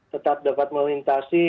tetap dapat melintas